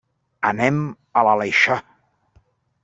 Anem a l'Aleixar.